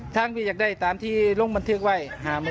ทั้งจากได้ตามที่ลงบันทึกไว้หาม้